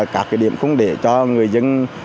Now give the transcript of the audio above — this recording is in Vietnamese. các điểm không để cho người dân